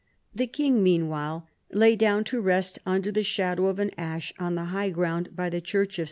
The king mean while lay down to rest under the shadow of an ash on the high ground by the Church of S.